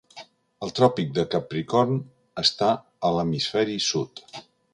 El tròpic de Capricorn està a l'hemisferi sud.